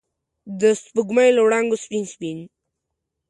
د سپوږمۍ له وړانګو سپین، سپین